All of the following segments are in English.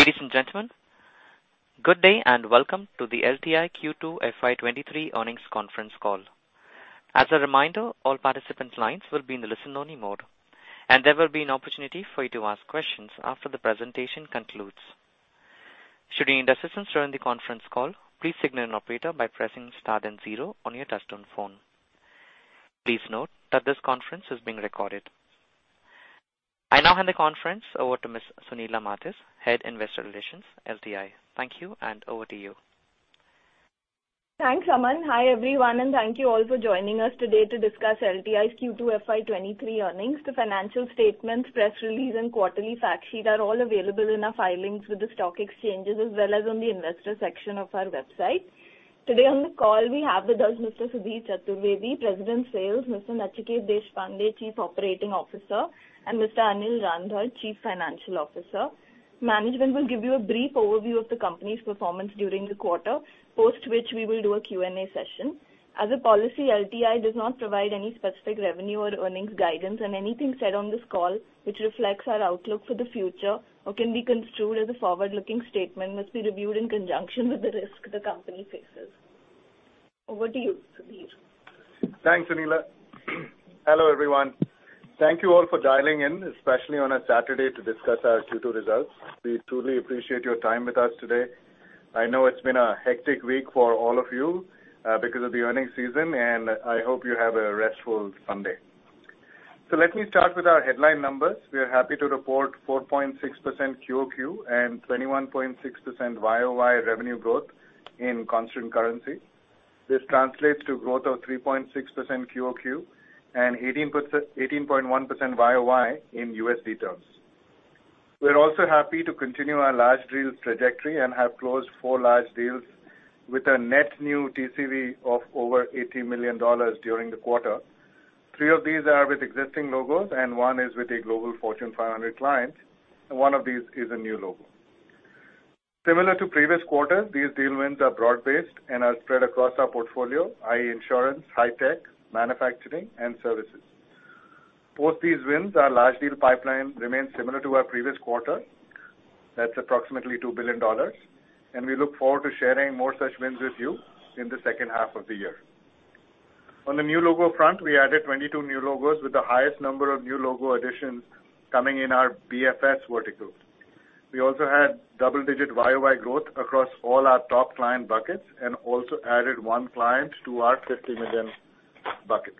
Ladies and gentlemen, good day and welcome to the LTI Q2 FY23 earnings conference call. As a reminder, all participant lines will be in the listen-only mode, and there will be an opportunity for you to ask questions after the presentation concludes. Should you need assistance during the conference call, please signal an operator by pressing star then zero on your touchtone phone. Please note that this conference is being recorded. I now hand the conference over to Ms. Sunila Mathews, Head Investor Relations, LTI. Thank you, and over to you. Thanks, Aman. Hi, everyone, and thank you all for joining us today to discuss LTI's Q2 FY 2023 earnings. The financial statements, press release, and quarterly fact sheet are all available in our filings with the stock exchanges, as well as on the investor section of our website. Today on the call, we have with us Mr. Sudhir Chaturvedi, President, Sales, Mr. Nachiket Deshpande, Chief Operating Officer, and Mr. Anil Rander, Chief Financial Officer. Management will give you a brief overview of the company's performance during the quarter, post which we will do a Q&A session. As a policy, LTI does not provide any specific revenue or earnings guidance, and anything said on this call which reflects our outlook for the future or can be construed as a forward-looking statement must be reviewed in conjunction with the risk the company faces. Over to you, Sudhir. Thanks, Sunila. Hello, everyone. Thank you all for dialing in, especially on a Saturday, to discuss our Q2 results. We truly appreciate your time with us today. I know it's been a hectic week for all of you, because of the earnings season, and I hope you have a restful Sunday. Let me start with our headline numbers. We are happy to report 4.6% QoQ and 21.6% YoY revenue growth in constant currency. This translates to growth of 3.6% QoQ and 18.1% YoY in USD terms. We're also happy to continue our large deals trajectory and have closed four large deals with a net new TCV of over $80 million during the quarter. Three of these are with existing logos and one is with a global Fortune 500 client. One of these is a new logo. Similar to previous quarters, these deal wins are broad-based and are spread across our portfolio, i.e. insurance, high tech, manufacturing, and services. Both these wins, our large deal pipeline remains similar to our previous quarter. That's approximately $2 billion. We look forward to sharing more such wins with you in the second half of the year. On the new logo front, we added 22 new logos with the highest number of new logo additions coming in our BFS vertical. We also had double-digit YoY growth across all our top client buckets and also added one client to our $50 million bucket.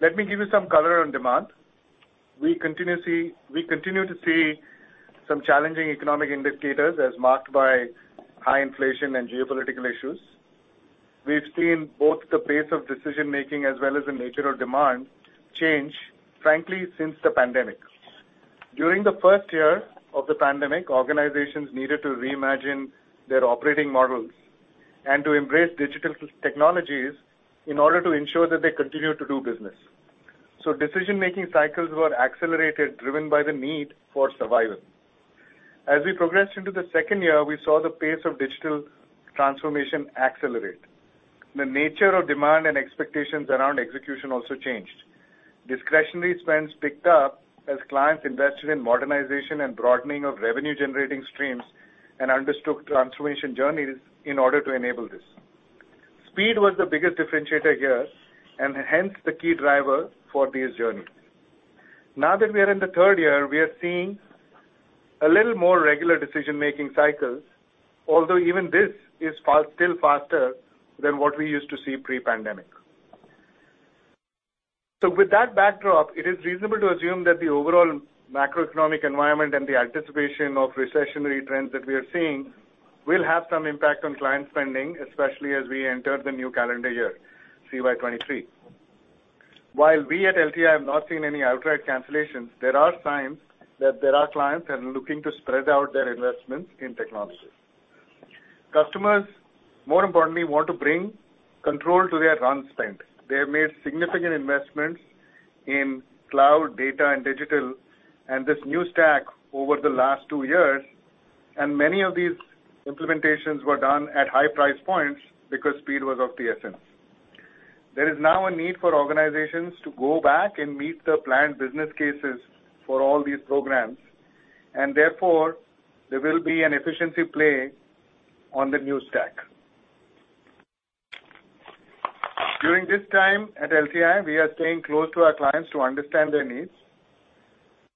Let me give you some color on demand. We continue to see some challenging economic indicators as marked by high inflation and geopolitical issues. We've seen both the pace of decision-making as well as the nature of demand change, frankly, since the pandemic. During the first year of the pandemic, organizations needed to reimagine their operating models and to embrace digital technologies in order to ensure that they continue to do business. Decision-making cycles were accelerated, driven by the need for survival. As we progressed into the second year, we saw the pace of digital transformation accelerate. The nature of demand and expectations around execution also changed. Discretionary spends picked up as clients invested in modernization and broadening of revenue-generating streams and understood transformation journeys in order to enable this. Speed was the biggest differentiator here, and hence the key driver for these journeys. Now that we are in the third year, we are seeing a little more regular decision-making cycles, although even this is still faster than what we used to see pre-pandemic. With that backdrop, it is reasonable to assume that the overall macroeconomic environment and the anticipation of recessionary trends that we are seeing will have some impact on client spending, especially as we enter the new calendar year, CY 2023. While we at LTI have not seen any outright cancellations, there are signs that there are clients that are looking to spread out their investments in technology. Customers, more importantly, want to bring control to their run spend. They have made significant investments in cloud, data and digital and this new stack over the last two years, and many of these implementations were done at high price points because speed was of the essence. There is now a need for organizations to go back and meet the planned business cases for all these programs, and therefore, there will be an efficiency play on the new stack. During this time at LTI, we are staying close to our clients to understand their needs.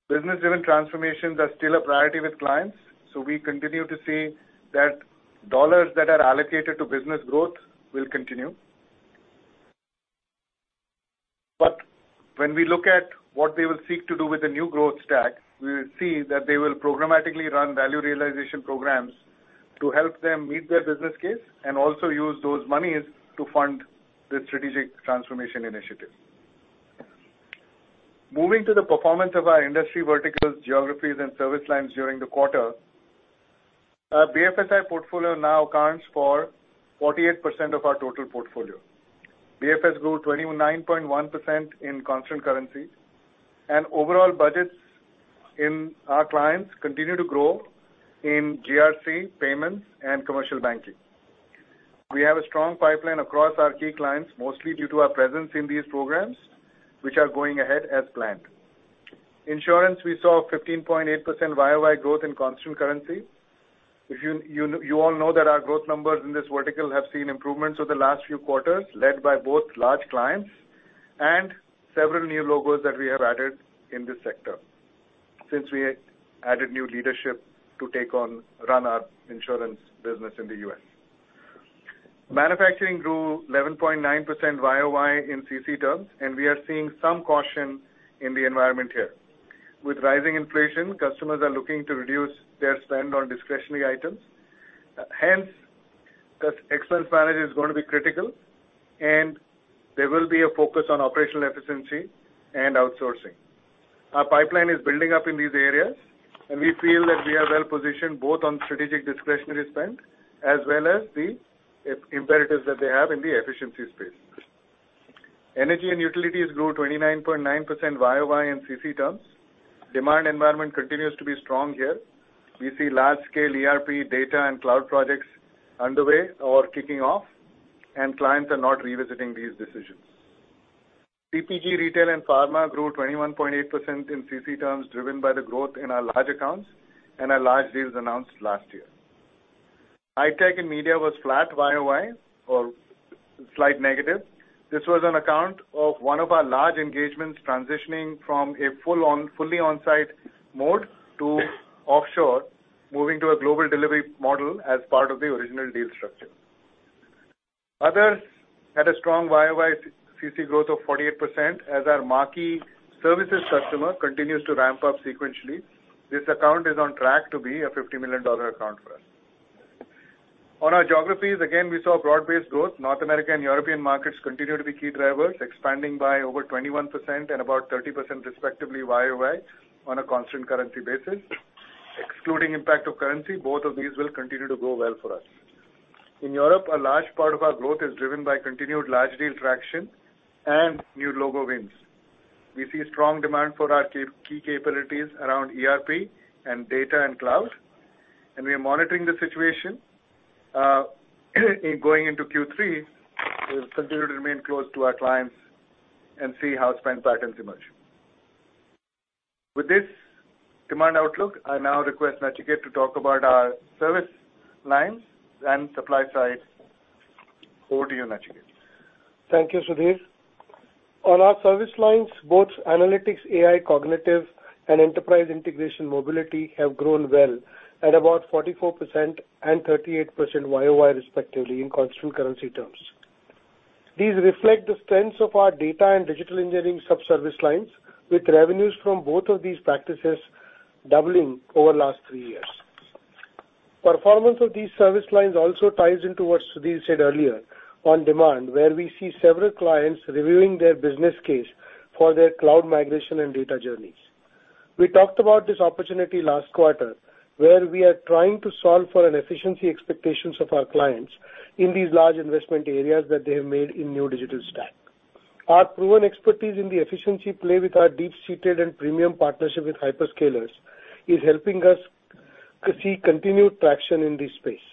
Business-driven transformations are still a priority with clients, so we continue to see that dollars that are allocated to business growth will continue. When we look at what they will seek to do with the new growth stack, we will see that they will programmatically run value realization programs to help them meet their business case and also use those monies to fund the strategic transformation initiative. Moving to the performance of our industry verticals, geographies, and service lines during the quarter. Our BFSI portfolio now accounts for 48% of our total portfolio. BFS grew 29.1% in constant currency and overall budgets in our clients continue to grow in GRC, payments, and commercial banking. We have a strong pipeline across our key clients, mostly due to our presence in these programs, which are going ahead as planned. Insurance, we saw 15.8% YoY growth in constant currency. If you all know that our growth numbers in this vertical have seen improvements over the last few quarters, led by both large clients and several new logos that we have added in this sector since we added new leadership to run our insurance business in the U.S.. Manufacturing grew 11.9% YoY in CC terms, and we are seeing some caution in the environment here. With rising inflation, customers are looking to reduce their spend on discretionary items. Hence, cost expense management is going to be critical, and there will be a focus on operational efficiency and outsourcing. Our pipeline is building up in these areas, and we feel that we are well-positioned both on strategic discretionary spend as well as the imperatives that they have in the efficiency space. Energy and utilities grew 29.9% YoY in CC terms. Demand environment continues to be strong here. We see large-scale ERP data and cloud projects underway or kicking off, and clients are not revisiting these decisions. CPG, retail, and pharma grew 21.8% in CC terms, driven by the growth in our large accounts and our large deals announced last year. High tech and media was flat YoY or slight negative. This was on account of one of our large engagements transitioning from a fully on-site mode to offshore, moving to a global delivery model as part of the original deal structure. Others had a strong YoY CC growth of 48% as our marquee services customer continues to ramp up sequentially. This account is on track to be a $50 million account for us. On our geographies, again, we saw broad-based growth. North America and European markets continue to be key drivers, expanding by over 21% and about 30% respectively YoY on a constant currency basis. Excluding impact of currency, both of these will continue to grow well for us. In Europe, a large part of our growth is driven by continued large deal traction and new logo wins. We see strong demand for our key capabilities around ERP and data and cloud, and we are monitoring the situation. Going into Q3, we'll continue to remain close to our clients and see how spend patterns emerge. With this demand outlook, I now request Nachiket to talk about our service lines and supply side. Over to you, Nachiket. Thank you, Sudhir. On our service lines, both analytics, AI, cognitive, and enterprise integration mobility have grown well at about 44% and 38% YoY, respectively, in constant currency terms. These reflect the strengths of our data and digital engineering sub-service lines, with revenues from both of these practices doubling over last three years. Performance of these service lines also ties into what Sudhir said earlier on demand, where we see several clients reviewing their business case for their cloud migration and data journeys. We talked about this opportunity last quarter, where we are trying to solve for an efficiency expectations of our clients in these large investment areas that they have made in new digital stack. Our proven expertise in the efficiency play with our deep-seated and premium partnership with hyperscalers is helping us to see continued traction in this space.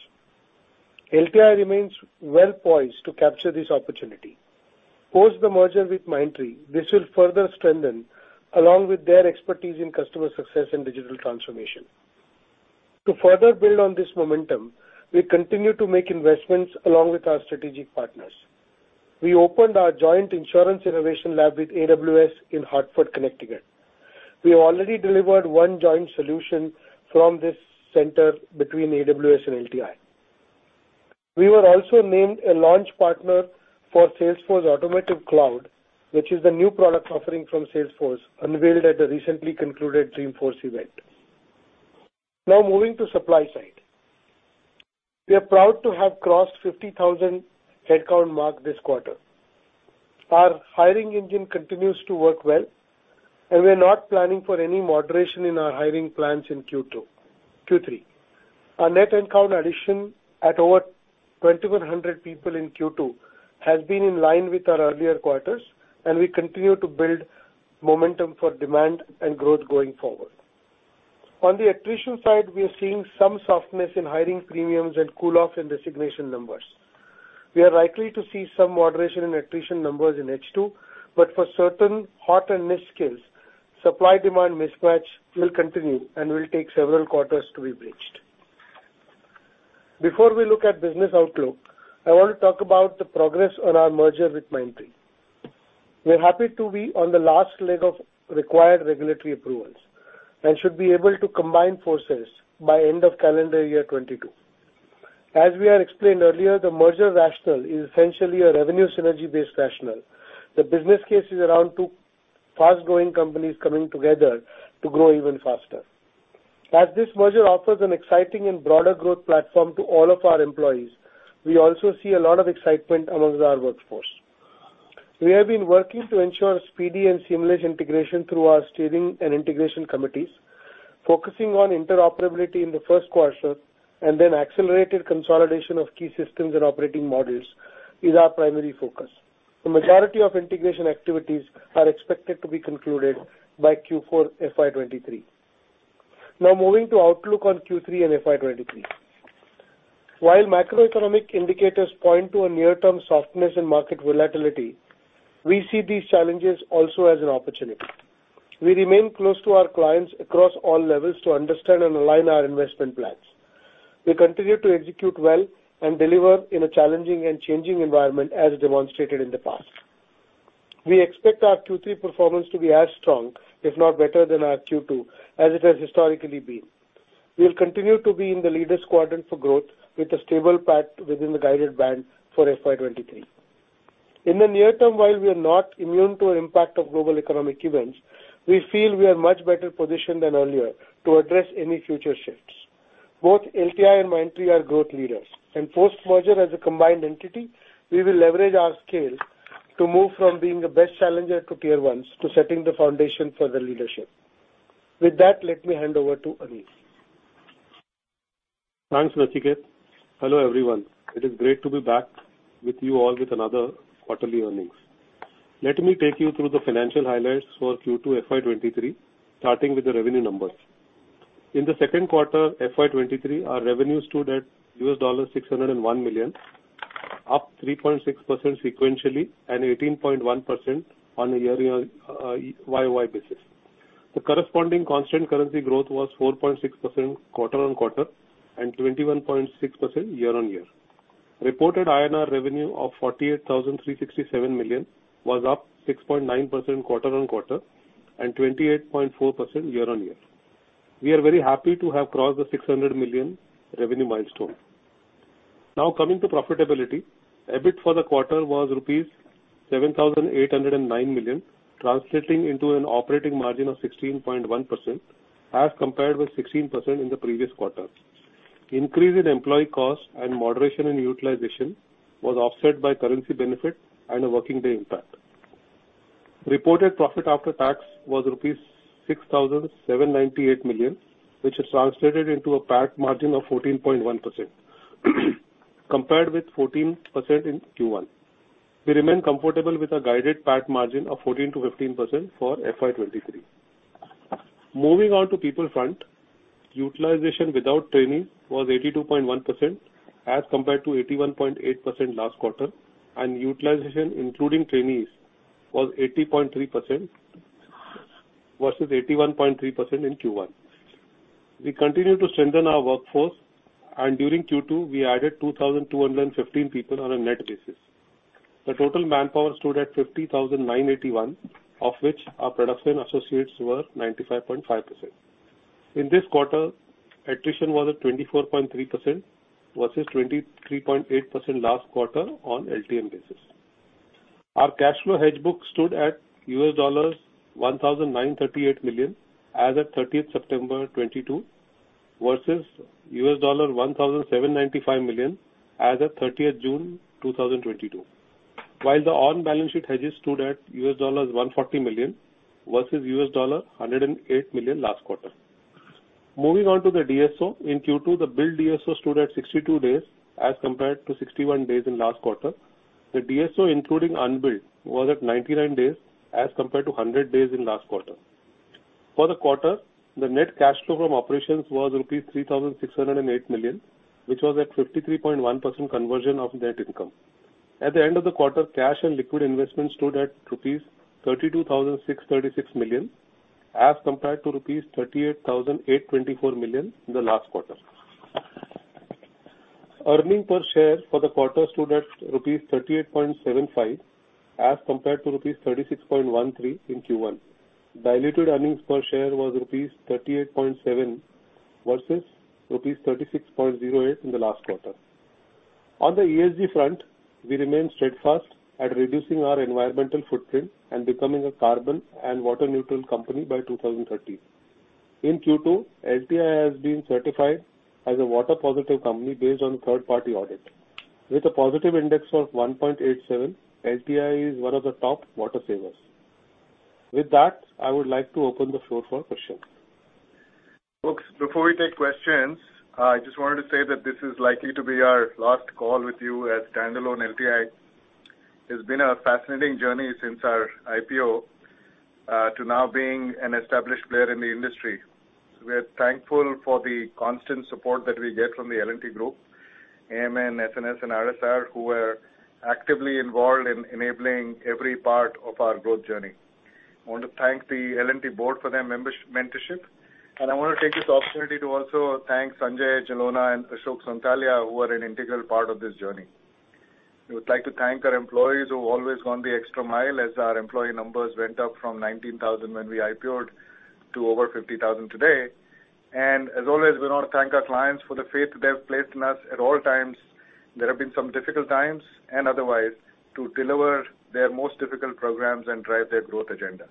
LTI remains well poised to capture this opportunity. Post the merger with Mindtree, this will further strengthen along with their expertise in customer success and digital transformation. To further build on this momentum, we continue to make investments along with our strategic partners. We opened our joint insurance innovation lab with AWS in Hartford, Connecticut. We already delivered one joint solution from this center between AWS and LTI. We were also named a launch partner for Salesforce Automotive Cloud, which is the new product offering from Salesforce, unveiled at the recently concluded Dreamforce event. Now moving to supply side. We are proud to have crossed the 50,000 headcount mark this quarter. Our hiring engine continues to work well, and we're not planning for any moderation in our hiring plans in Q2-Q3. Our net headcount addition of over 2,100 people in Q2 has been in line with our earlier quarters, and we continue to build momentum for demand and growth going forward. On the attrition side, we are seeing some softness in hiring premiums and cool off and designation numbers. We are likely to see some moderation in attrition numbers in H2, but for certain hot and niche skills, supply-demand mismatch will continue and will take several quarters to be bridged. Before we look at business outlook, I want to talk about the progress on our merger with Mindtree. We're happy to be on the last leg of required regulatory approvals and should be able to combine forces by end of calendar year 2022. As we had explained earlier, the merger rationale is essentially a revenue synergy-based rationale. The business case is around two fast-growing companies coming together to grow even faster. As this merger offers an exciting and broader growth platform to all of our employees, we also see a lot of excitement among our workforce. We have been working to ensure speedy and seamless integration through our steering and integration committees. Focusing on interoperability in the first quarter and then accelerated consolidation of key systems and operating models is our primary focus. The majority of integration activities are expected to be concluded by Q4 FY 2023. Now moving to outlook on Q3 and FY 2023. While macroeconomic indicators point to a near-term softness in market volatility, we see these challenges also as an opportunity. We remain close to our clients across all levels to understand and align our investment plans. We continue to execute well and deliver in a challenging and changing environment as demonstrated in the past. We expect our Q3 performance to be as strong, if not better than our Q2 as it has historically been. We'll continue to be in the leader's quadrant for growth with a stable PAT within the guided band for FY 2023. In the near term, while we are not immune to impact of global economic events, we feel we are much better positioned than earlier to address any future shifts. Both LTI and Mindtree are growth leaders, and post-merger as a combined entity, we will leverage our scale to move from being the best challenger to tier ones to setting the foundation for the leadership. With that, let me hand over to Anil. Thanks, Nachiket. Hello, everyone. It is great to be back with you all with another quarterly earnings. Let me take you through the financial highlights for Q2 FY 2023, starting with the revenue numbers. In the second quarter FY 2023, our revenue stood at $601 million, up 3.6% sequentially and 18.1% on a yearly YoY basis. The corresponding constant currency growth was 4.6% quarter-on-quarter and 21.6% year-on-year. Reported INR revenue of 48,367 million was up 6.9% quarter-on-quarter and 28.4% year-on-year. We are very happy to have crossed the $600 million revenue milestone. Now coming to profitability. EBIT for the quarter was rupees 7,809 million, translating into an operating margin of 16.1% as compared with 16% in the previous quarter. Increase in employee costs and moderation in utilization was offset by currency benefit and a working day impact. Reported profit after tax was rupees 6,798 million, which is translated into a PAT margin of 14.1% compared with 14% in Q1. We remain comfortable with a guided PAT margin of 14%-15% for FY 2023. Moving on to people front. Utilization without training was 82.1% as compared to 81.8% last quarter, and utilization including trainees was 80.3% versus 81.3% in Q1. We continue to strengthen our workforce, and during Q2, we added 2,215 people on a net basis. The total manpower stood at 50,981, of which our production associates were 95.5%. In this quarter, attrition was at 24.3% versus 23.8% last quarter on LTM basis. Our cash flow hedge book stood at $1,938 million as of 30th September 2022, versus $1,795 million as of 30th June 2022. While the on-balance sheet hedges stood at $140 million versus $108 million last quarter. Moving on to the DSO. In Q2, the billed DSO stood at 62 days as compared to 61 days in last quarter. The DSO including unbilled was at 99 days as compared to 100 days in last quarter. For the quarter, the net cash flow from operations was rupees 3,608 million, which was at 53.1% conversion of net income. At the end of the quarter, cash and liquid investment stood at INR 32,636 million as compared to INR 38,824 million in the last quarter. Earning per share for the quarter stood at rupees 38.75 as compared to rupees 36.13 in Q1. Diluted earnings per share was rupees 38.7 versus rupees 36.08 in the last quarter. On the ESG front, we remain steadfast at reducing our environmental footprint and becoming a carbon and water neutral company by 2030. In Q2, LTI has been certified as a water positive company based on third-party audit. With a positive index of 1.87, LTI is one of the top water savers. With that, I would like to open the floor for questions. Folks, before we take questions, I just wanted to say that this is likely to be our last call with you as standalone LTI. It's been a fascinating journey since our IPO to now being an established player in the industry. We are thankful for the constant support that we get from the L&T Group, AMN, SNS, and RSR, who were actively involved in enabling every part of our growth journey. I want to thank the L&T board for their mentorship, and I wanna take this opportunity to also thank Sanjay Jalona and Ashok Sonthalia, who are an integral part of this journey. We would like to thank our employees who have always gone the extra mile as our employee numbers went up from 19,000 when we IPO'd to over 50,000 today. As always, we wanna thank our clients for the faith they have placed in us at all times, there have been some difficult times and otherwise, to deliver their most difficult programs and drive their growth agenda.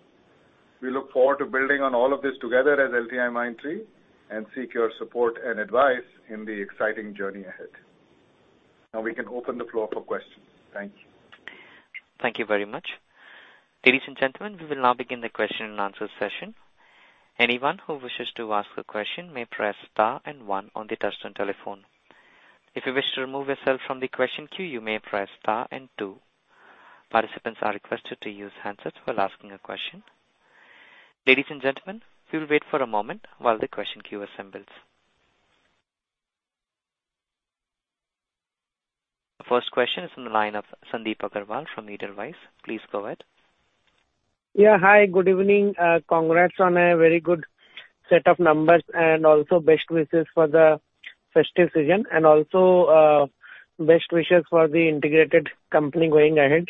We look forward to building on all of this together as LTIMindtree and seek your support and advice in the exciting journey ahead. Now we can open the floor for questions. Thank you. Thank you very much. Ladies and gentlemen, we will now begin the question and answer session. Anyone who wishes to ask a question may press star and one on the touchtone telephone. If you wish to remove yourself from the question queue, you may press star and two. Participants are requested to use handsets while asking a question. Ladies and gentlemen, we will wait for a moment while the question queue assembles. First question is from the line of Sandip Agarwal from Edelweiss. Please go ahead. Yeah. Hi, good evening. Congrats on a very good set of numbers, and also best wishes for the festive season and also best wishes for the integrated company going ahead.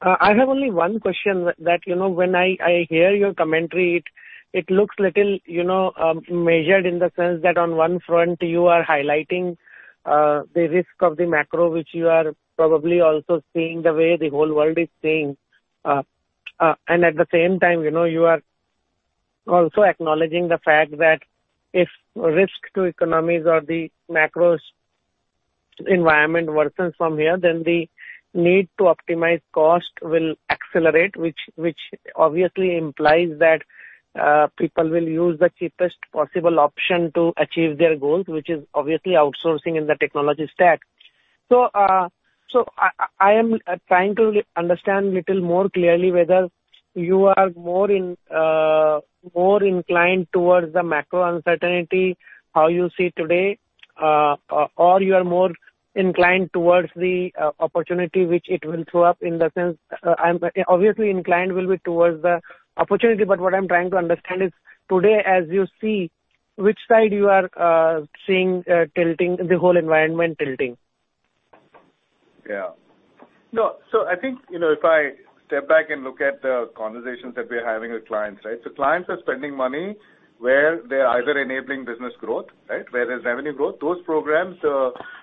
I have only one question that, you know, when I hear your commentary, it looks little, you know, measured in the sense that on one front you are highlighting the risk of the macro, which you are probably also seeing the way the whole world is seeing. And at the same time, you know, you are also acknowledging the fact that if risk to economies or the macro environment worsens from here, then the need to optimize cost will accelerate. Which obviously implies that people will use the cheapest possible option to achieve their goals, which is obviously outsourcing in the technology stack. I am trying to understand little more clearly whether you are more inclined towards the macro uncertainty, how you see today, or you are more inclined towards the opportunity which it will throw up in the sense. I am obviously inclined will be towards the opportunity. What I am trying to understand is today, as you see, which side you are seeing, the whole environment tilting. I think, you know, if I step back and look at the conversations that we're having with clients, right? Clients are spending money where they're either enabling business growth, right? Where there's revenue growth. Those programs,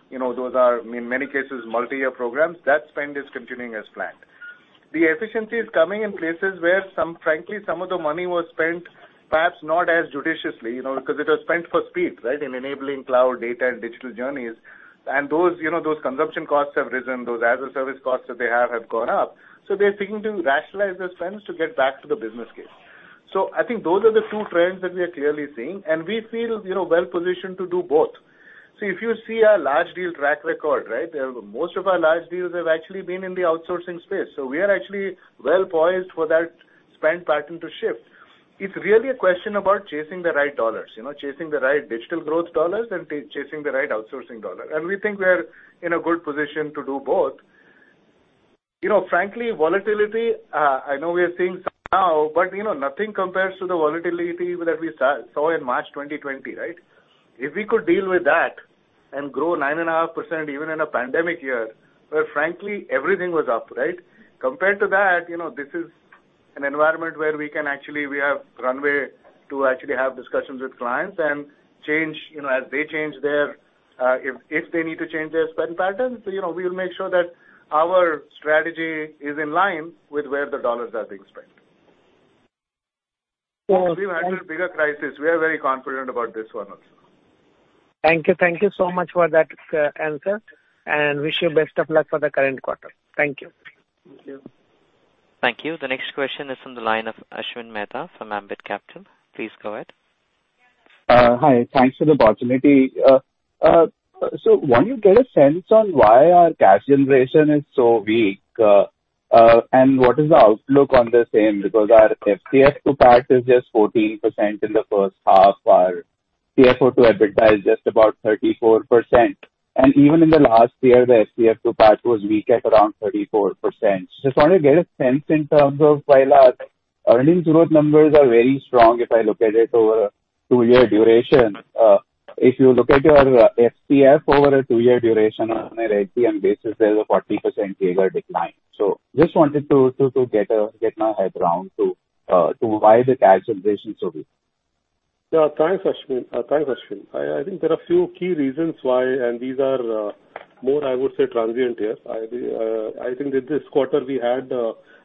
you know, those are in many cases multi-year programs. That spend is continuing as planned. The efficiency is coming in places where some, frankly, some of the money was spent perhaps not as judiciously, you know, because it was spent for speed, right, in enabling cloud data and digital journeys. Those, you know, those consumption costs have risen. Those Azure service costs that they have gone up, so they're seeking to rationalize their spends to get back to the business case. I think those are the two trends that we are clearly seeing, and we feel, you know, well-positioned to do both. If you see our large deal track record, right? Most of our large deals have actually been in the outsourcing space. We are actually well poised for that spend pattern to shift. It's really a question about chasing the right dollars. You know, chasing the right digital growth dollars and chasing the right outsourcing dollars. We think we are in a good position to do both. You know, frankly, volatility, I know we are seeing some now, but you know, nothing compares to the volatility that we saw in March 2020, right? If we could deal with that and grow 9.5% even in a pandemic year, where frankly everything was up, right? Compared to that, you know, this is an environment where we have runway to actually have discussions with clients and change, you know, as they change their, if they need to change their spend patterns. You know, we will make sure that our strategy is in line with where the dollars are being spent. So. We've had a bigger crisis. We are very confident about this one also. Thank you. Thank you so much for that, answer, and wish you best of luck for the current quarter. Thank you. Thank you. Thank you. The next question is from the line of Ashwin Mehta from Ambit Capital. Please go ahead. Hi. Thanks for the opportunity. One, you get a sense on why our cash generation is so weak. What is the outlook on the same? Because our FCF to PAT is just 14% in the first half. Our CFO to EBITDA is just about 34%. Even in the last year, the FCF to PAT was weak at around 34%. Just want to get a sense in terms of why last earnings growth numbers are very strong if I look at it over a two-year duration. If you look at your FCF over a two-year duration on a run-rate basis, there's a 40% year-over-year decline. Just wanted to get my head around why the cash generation is so weak. Yeah. Thanks, Ashwin. I think there are few key reasons why, and these are more, I would say, transient here. I think that this quarter we had.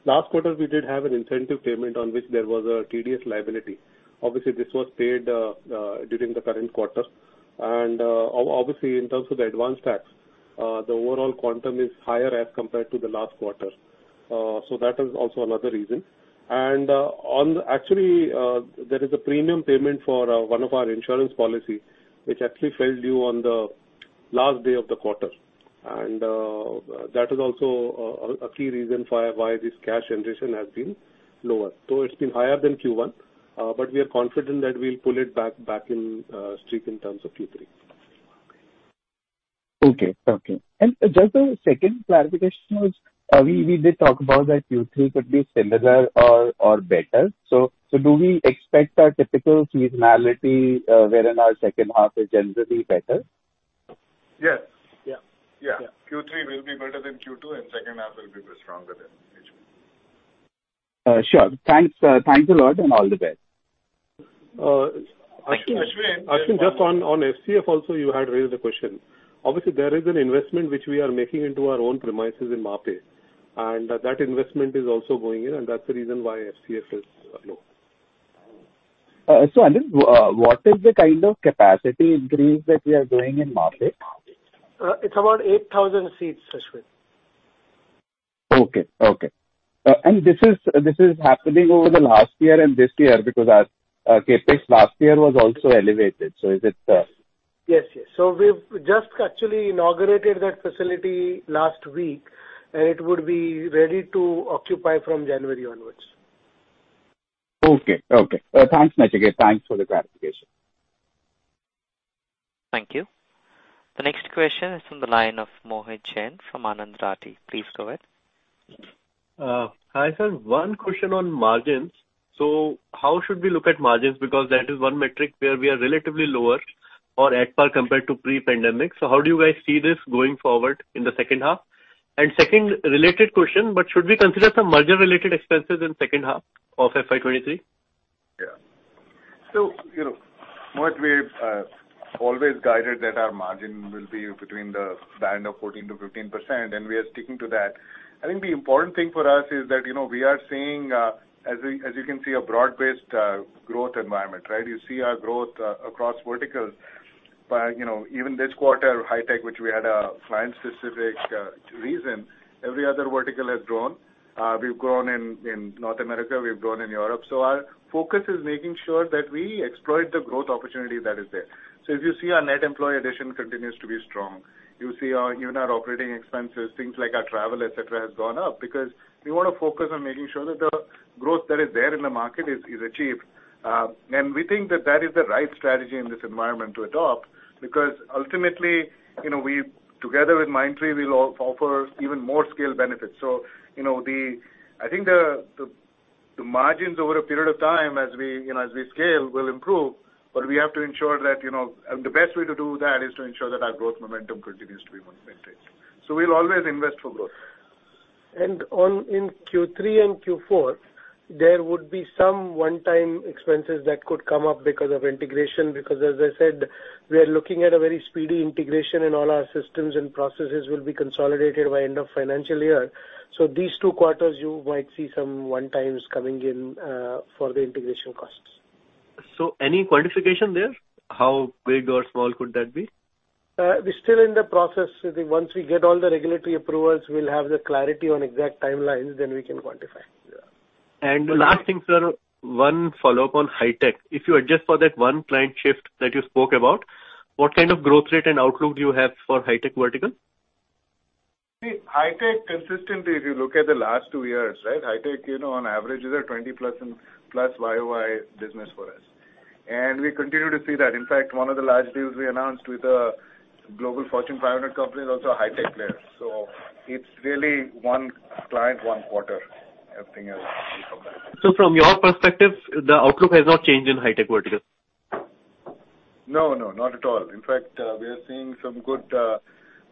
Last quarter we did have an incentive payment on which there was a TDS liability. Obviously, this was paid during the current quarter. Obviously, in terms of the advance tax, the overall quantum is higher as compared to the last quarter. That is also another reason. Actually, there is a premium payment for one of our insurance policy, which actually fell due on the last day of the quarter. That is also a key reason for why this cash generation has been lower. It's been higher than Q1, but we are confident that we'll pull it back in streak in terms of Q3. Okay. Just a second clarification was, we did talk about that Q3 could be similar or better. Do we expect our typical seasonality, wherein our second half is generally better? Yes. Q3 will be better than Q2, and second half will be a bit stronger than H1. Sure. Thanks a lot and all the best. Ashwin, just on FCF also you had raised a question. Obviously, there is an investment which we are making into our own premises in Mahape, and that investment is also going in, and that's the reason why FCF is low. Anil, what is the kind of capacity increase that we are doing in Mahape? It's about 8,000 seats, Ashwin. Okay. This is happening over the last year and this year because our CapEx last year was also elevated. Is it Yes, yes. We've just actually inaugurated that facility last week, and it would be ready to occupy from January onwards. Okay. Thanks, Nachiket. Thanks for the clarification. Thank you. The next question is from the line of Mohit Jain from Anand Rathi. Please go ahead. Hi, sir. One question on margins. How should we look at margins? Because that is one metric where we are relatively lower on EBIT compared to pre-pandemic. How do you guys see this going forward in the second half? Second related question, but should we consider some merger related expenses in second half of FY 2023? Yeah. You know, Mohit, we've always guided that our margin will be between the band of 14%-15%, and we are sticking to that. I think the important thing for us is that, you know, we are seeing, as you can see, a broad-based growth environment, right? You see our growth across verticals. You know, even this quarter, high tech, which we had a client-specific reason, every other vertical has grown. We've grown in North America, we've grown in Europe. Our focus is making sure that we exploit the growth opportunity that is there. If you see our net employee addition continues to be strong. You see our, even our operating expenses, things like our travel, et cetera, has gone up because we wanna focus on making sure that the growth that is there in the market is achieved. We think that that is the right strategy in this environment to adopt because ultimately, you know, we together with Mindtree will offer even more scale benefits. You know, I think the margins over a period of time as we, you know, as we scale will improve, but we have to ensure that, you know. The best way to do that is to ensure that our growth momentum continues to be well maintained. We'll always invest for growth. In Q3 and Q4, there would be some one-time expenses that could come up because of integration, because as I said, we are looking at a very speedy integration, and all our systems and processes will be consolidated by end of financial year. These two quarters, you might see some one-times coming in for the integration costs. Any quantification there? How big or small could that be? We're still in the process. I think once we get all the regulatory approvals, we'll have the clarity on exact timelines, then we can quantify. Yeah. Last thing, sir, one follow-up on high tech. If you adjust for that one client shift that you spoke about, what kind of growth rate and outlook do you have for high tech vertical? High tech consistently, if you look at the last two years, right? High tech, you know, on average is a 20%+ YoY business for us. We continue to see that. In fact, one of the large deals we announced with a global Fortune 500 company is also a high tech player. It's really one client, one quarter. Everything else. From your perspective, the outlook has not changed in high-tech vertical. No, no, not at all. In fact, we are seeing some good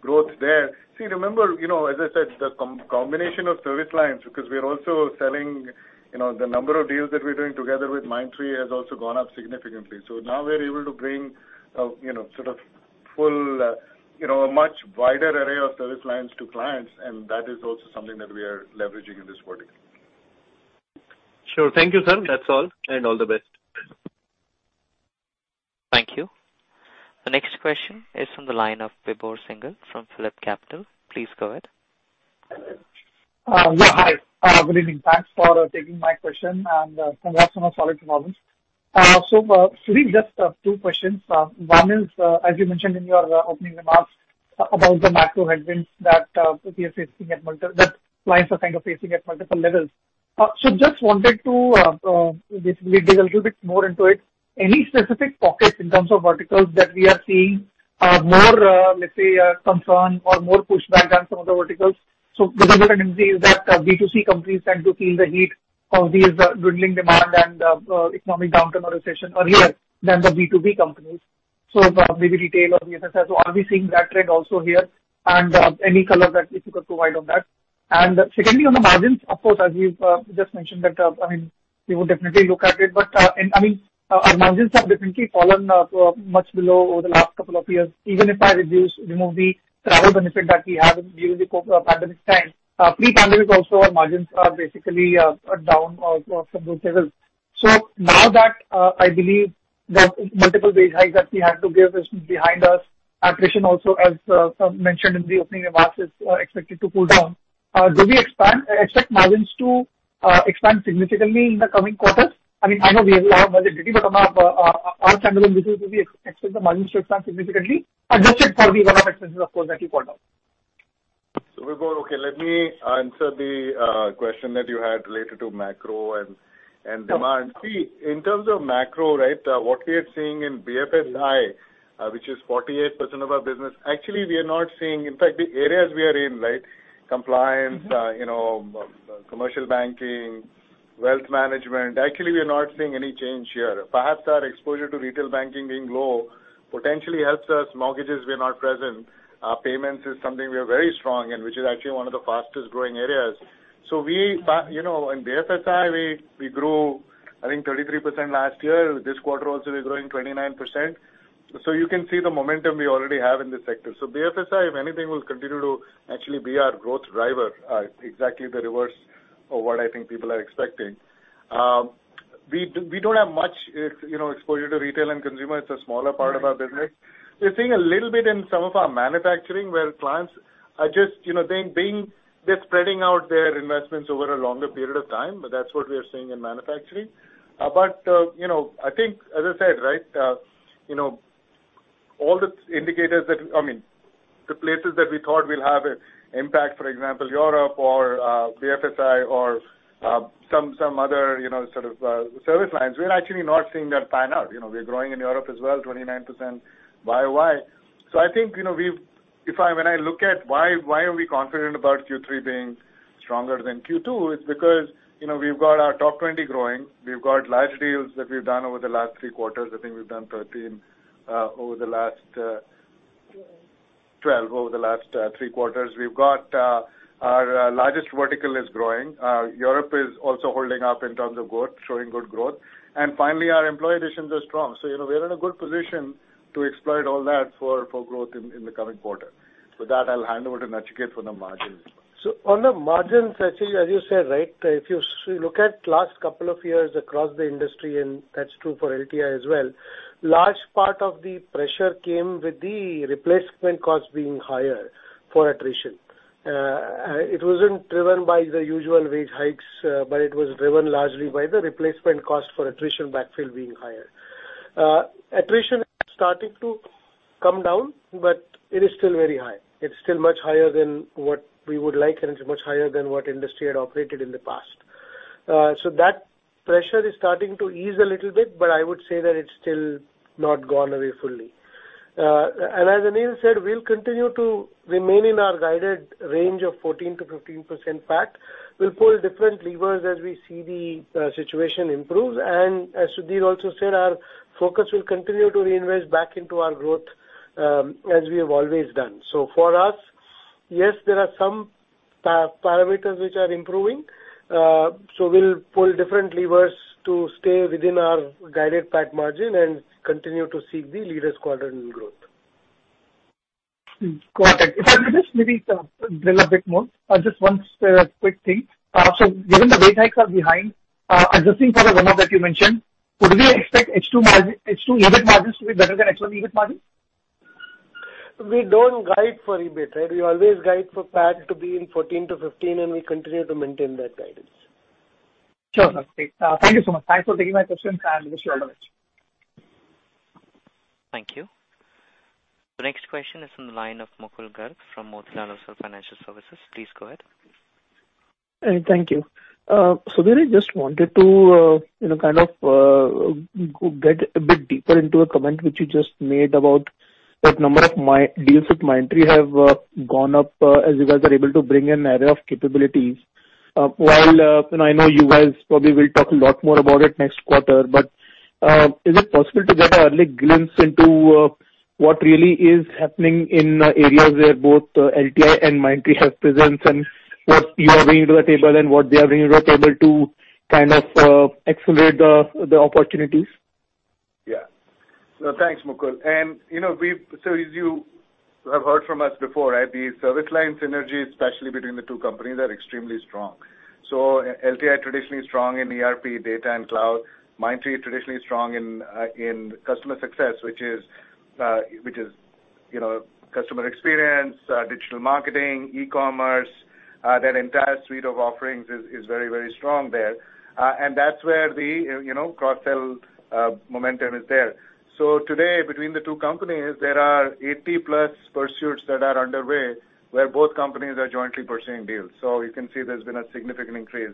growth there. See, remember, you know, as I said, the combination of service lines, because we are also selling, you know, the number of deals that we're doing together with Mindtree has also gone up significantly. Now we are able to bring, you know, sort of full, you know, a much wider array of service lines to clients, and that is also something that we are leveraging in this vertical. Sure. Thank you, sir. That's all. All the best. Thank you. The next question is from the line of Vibhor Singhal from PhillipCapital. Please go ahead. Yeah, hi. Good evening. Thanks for taking my question, and congrats on a solid performance. So, Sunil, just two questions. One is, as you mentioned in your opening remarks about the macro headwinds that clients are kind of facing at multiple levels. Just wanted to basically dig a little bit more into it. Any specific pockets in terms of verticals that we are seeing more, let's say, a concern or more pushback than some other verticals? The general tendency is that B2C companies tend to feel the heat of these dwindling demand and economic downturn or recession earlier than the B2B companies. Maybe retail or BFSI. Are we seeing that trend also here? Any color that you could provide on that. Secondly, on the margins, of course, as you've just mentioned that, I mean, we would definitely look at it, but, and I mean, our margins have definitely fallen much below over the last couple of years. Even if I remove the travel benefit that we had during the COVID pandemic time, pre-pandemic also our margins are basically down off of those levels. Now that I believe the multiple base hikes that we had to give is behind us, attrition also, as sir mentioned in the opening remarks, is expected to cool down. Do we expect margins to expand significantly in the coming quarters? I mean, I know we have a lot of visibility, but on our standalone basis, do we expect the margins to expand significantly? Adjusted for the one-off expenses, of course, that you called out. Vibhor, okay, let me answer the question that you had related to macro and demand. See, in terms of macro, right, what we are seeing in BFSI, which is 48% of our business, actually we are not seeing. In fact, the areas we are in, right, compliance, you know, commercial banking, wealth management, actually we are not seeing any change here. Perhaps our exposure to retail banking being low potentially helps us. Mortgages we are not present. Payments is something we are very strong in, which is actually one of the fastest growing areas. You know, in BFSI, we grew, I think 33% last year. This quarter also we're growing 29%. You can see the momentum we already have in this sector. BFSI, if anything, will continue to actually be our growth driver, exactly the reverse of what I think people are expecting. We don't have much you know, exposure to retail and consumer. It's a smaller part of our business. We're seeing a little bit in some of our manufacturing where clients are just, you know, they're spreading out their investments over a longer period of time. That's what we are seeing in manufacturing. But you know, I think as I said, right, you know, all the indicators that I mean, the places that we thought will have an impact, for example, Europe or BFSI or some other you know, sort of service lines, we're actually not seeing that pan out. You know, we're growing in Europe as well, 29% YoY. I think, you know, we've When I look at why we are confident about Q3 being stronger than Q2, it's because, you know, we've got our top 20 growing. We've got large deals that we've done over the last three quarters. I think we've done 13 over the last. 12. 12, over the last three quarters. We've got our largest vertical is growing. Europe is also holding up in terms of growth, showing good growth. Finally, our employee additions are strong. You know, we are in a good position to exploit all that for growth in the coming quarter. With that, I'll hand over to Nachiket for the margins. On the margins, actually, as you said, right, if you look at last couple of years across the industry, and that's true for LTI as well, large part of the pressure came with the replacement cost being higher for attrition. It wasn't driven by the usual wage hikes, but it was driven largely by the replacement cost for attrition backfill being higher. Attrition has started to come down, but it is still very high. It's still much higher than what we would like, and it's much higher than what industry had operated in the past. That pressure is starting to ease a little bit, but I would say that it's still not gone away fully. And as Anil said, we'll continue to remain in our guided range of 14%-15% PAT. We'll pull different levers as we see the situation improve. As Sudhir also said, our focus will continue to reinvest back into our growth as we have always done. For us, yes, there are some parameters which are improving. We'll pull different levers to stay within our guided PAT margin and continue to seek the leaders quadrant in growth. Got it. If I could just maybe drill a bit more. Just one quick thing. So given the wage hikes are behind, adjusting for the runoff that you mentioned, would we expect H2 EBIT margins to be better than H1 EBIT margin? We don't guide for EBIT, right? We always guide for PAT to be in 14%-15%, and we continue to maintain that guidance. Sure. Great. Thank you so much. Thanks for taking my questions, and wish you all the best. Thank you. The next question is from the line of Mukul Garg from Motilal Oswal Financial Services. Please go ahead. Thank you. Sudhir, I just wanted to, you know, kind of, get a bit deeper into a comment which you just made about what number of Mindtree deals with Mindtree have gone up, as you guys are able to bring an array of capabilities. While, you know, I know you guys probably will talk a lot more about it next quarter, but, is it possible to get an early glimpse into, what really is happening in, areas where both, LTI and Mindtree have presence and what you are bringing to the table and what they are bringing to the table to kind of, accelerate the opportunities? Yeah. No, thanks, Mukul. You know, we've. As you have heard from us before, right, the service line synergy, especially between the two companies, are extremely strong. LTI traditionally strong in ERP, data, and cloud. Mindtree traditionally strong in customer success, which is, you know, customer experience, digital marketing, e-commerce, that entire suite of offerings is very, very strong there. That's where the, you know, cross-sell momentum is there. Today, between the two companies, there are 80+ pursuits that are underway where both companies are jointly pursuing deals. You can see there's been a significant increase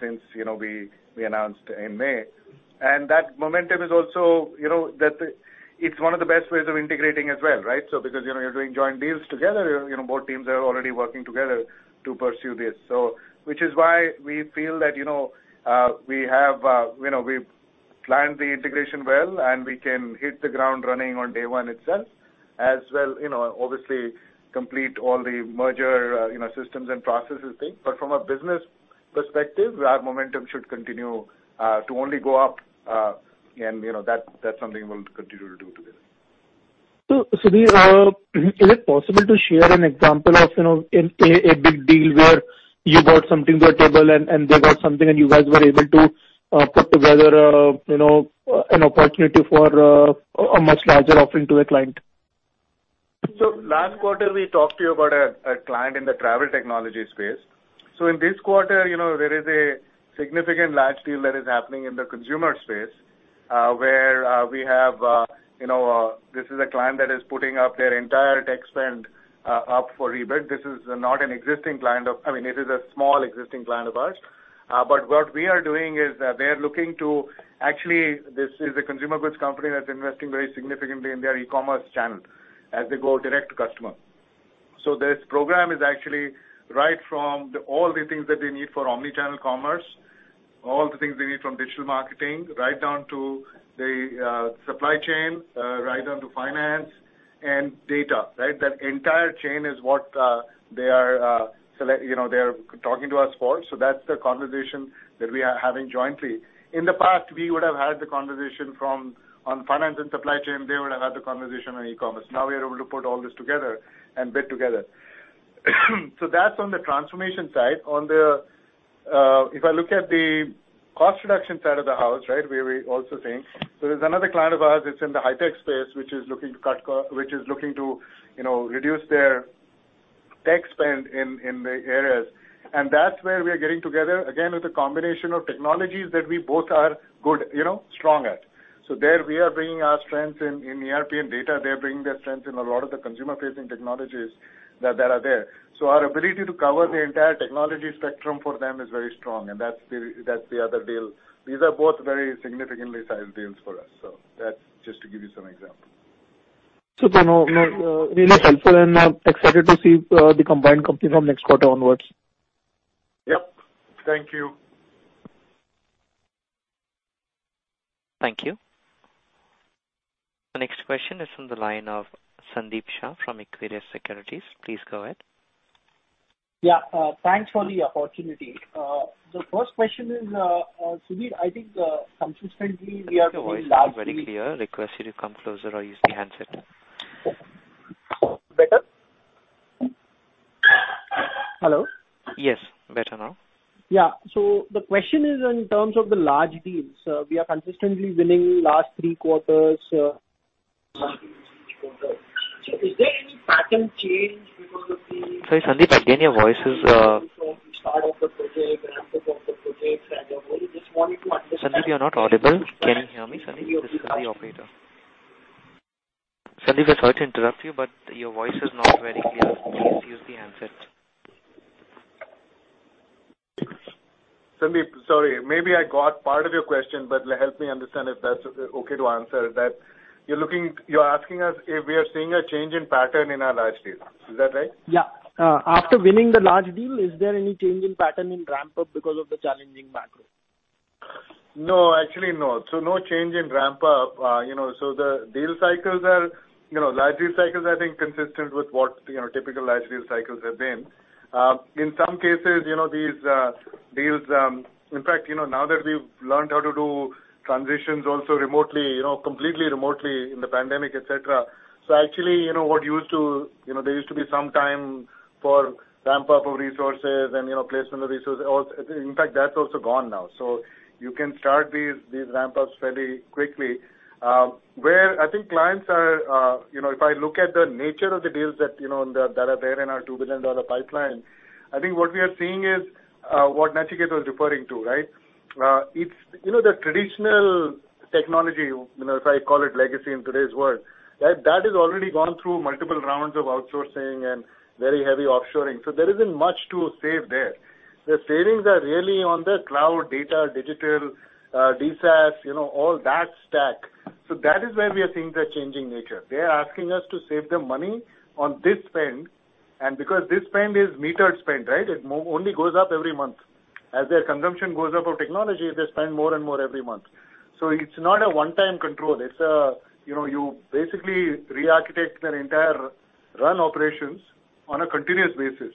since, you know, we announced in May. That momentum is also, you know, that it's one of the best ways of integrating as well, right? Because, you know, you're doing joint deals together, you know, both teams are already working together to pursue this, so which is why we feel that, you know, we have, you know, we've planned the integration well, and we can hit the ground running on day one itself. As well, you know, obviously complete all the merger, you know, systems and processes thing. From a business perspective, our momentum should continue to only go up. You know, that's something we'll continue to do together. Sudhir, is it possible to share an example of, you know, a big deal where you brought something to the table and they brought something, and you guys were able to put together, you know, an opportunity for a much larger offering to a client? Last quarter, we talked to you about a client in the travel technology space. In this quarter, you know, there is a significant large deal that is happening in the consumer space, where we have, you know, this is a client that is putting up their entire tech spend up for rebid. This is not an existing client. I mean, it is a small existing client of ours. What we are doing is they are looking to. Actually, this is a consumer goods company that's investing very significantly in their e-commerce channel as they go direct to customer. This program is actually right from all the things that they need for omni-channel commerce, all the things they need from digital marketing, right down to the supply chain, right down to finance and data, right? That entire chain is what they are you know talking to us for. That's the conversation that we are having jointly. In the past, we would have had the conversation from on finance and supply chain. They would have had the conversation on e-commerce. Now we are able to put all this together and bid together. That's on the transformation side. On the, if I look at the cost reduction side of the house, right? Where we're also seeing. There's another client of ours, it's in the high-tech space, which is looking to you know reduce their tech spend in the areas. That's where we are getting together, again, with a combination of technologies that we both are good you know strong at. There we are bringing our strengths in ERP and data. They're bringing their strengths in a lot of the consumer-facing technologies that are there. Our ability to cover the entire technology spectrum for them is very strong, and that's the other deal. These are both very significantly sized deals for us. That's just to give you some examples. Super. No, no. Really helpful, and I'm excited to see the combined company from next quarter onwards. Yep. Thank you. Thank you. The next question is from the line of Sandeep Shah from Equirus Securities. Please go ahead. Yeah. Thanks for the opportunity. The first question is, Sudhir, I think, consistently we are seeing last three. Your voice is not very clear. Request you to come closer or use the handset. Better? Hello? Yes, better now. Yeah. The question is in terms of the large deals, we are consistently winning last three quarters. Is there any pattern change because of the? Sorry, Sandeep, again, your voice is. Start of the project, ramp up of the project. I only just wanted to understand? Sandeep, you're not audible. Can you hear me, Sandeep? This is the operator. Sandeep, I'm sorry to interrupt you, but your voice is not very clear. Please use the handset. Sandeep, sorry. Maybe I got part of your question, but help me understand if that's okay to answer that. You're asking us if we are seeing a change in pattern in our large deals. Is that right? Yeah. After winning the large deal, is there any change in pattern in ramp up because of the challenging macro? No. Actually, no. No change in ramp up. You know, the deal cycles are, you know, large deal cycles, I think, consistent with what, you know, typical large deal cycles have been. In some cases, you know, these deals, in fact, you know, now that we've learned how to do transitions also remotely, you know, completely remotely in the pandemic, et cetera. Actually, you know what used to. You know, there used to be some time for ramp up of resources and, you know, placement of resources. In fact, that's also gone now. You can start these ramp ups fairly quickly. Where I think clients are, you know, if I look at the nature of the deals that, you know, that are there in our $2 billion pipeline, I think what we are seeing is what Nachiket was referring to, right? It's, you know, the traditional technology, you know, as I call it, legacy in today's world, right? That has already gone through multiple rounds of outsourcing and very heavy offshoring. There isn't much to save there. The savings are really on the cloud data, digital, D-SaaS, you know, all that stack. That is where we are seeing the changing nature. They are asking us to save them money on this spend. Because this spend is metered spend, right? It only goes up every month. As their consumption goes up of technology, they spend more and more every month. It's not a one-time control. It's a, you know, you basically rearchitect an entire run operations on a continuous basis.